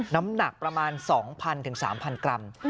น้ำหนักประมาณ๒๐๐๓๐๐กรัม